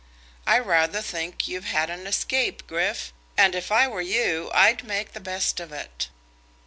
I rather think you've had an escape, Griff; and if I were you, I'd make the best of it."